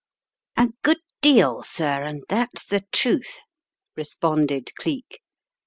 " "A good deal, sir, and that's the truth," responded Cleek.